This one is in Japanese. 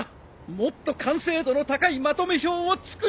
もっと完成度の高いまとめ表を作ります！